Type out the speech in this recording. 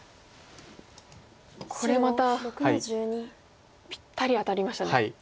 これまたぴったり当たりましたね。